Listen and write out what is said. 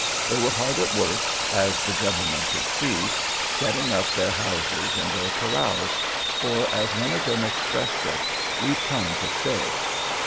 They were hard at work, as the gentlemen could see, getting up their houses and their corrals, for, as one of them expressed it, "We've come to stay."